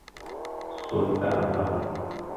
ثلث اول